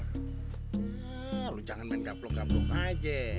nah lo jangan main gaplok gaplok aja